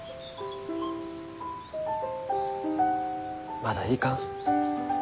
まだいかん。